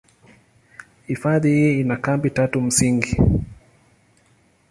Hifadhi hii ina kambi tatu msingi.